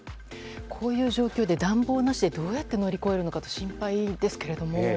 こういう状況で暖房なしでどうやって乗り越えるのか心配ですけれども。